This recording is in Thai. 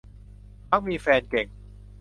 มักมีแฟนเก่ง